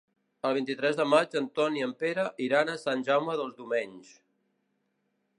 El vint-i-tres de maig en Ton i en Pere iran a Sant Jaume dels Domenys.